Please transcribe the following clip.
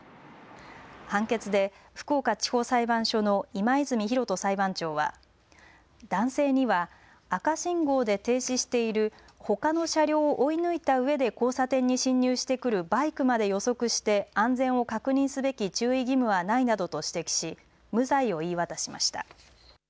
判決で福岡地方裁判所の今泉裕登裁判長は男性には赤信号で停止しているほかの車両を追い抜いたうえで交差点に進入してくるバイクまで予測して安全を確認すべき注意義務はないなどと指摘し無罪を言い渡しました。